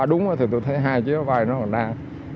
đúng thì tôi thấy hai chiếc bay nó còn đang